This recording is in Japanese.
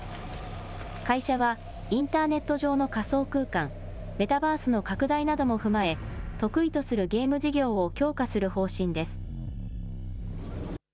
会社はインターネット上の仮想空間、メタバースの拡大なども踏まえ、得意とするゲーム事業を強化する方針です。